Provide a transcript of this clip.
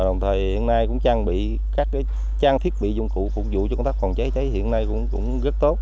đồng thời hiện nay cũng trang bị các trang thiết bị dụng cụ phục vụ cho công tác phòng cháy cháy hiện nay cũng rất tốt